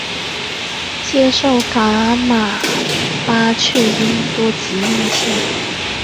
接受噶玛巴却英多吉印信。